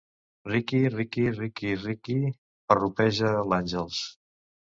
Riqui, Riqui, Riqui, Riqui... –parrupeja l'Àngels.